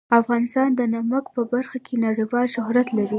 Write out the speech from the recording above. افغانستان د نمک په برخه کې نړیوال شهرت لري.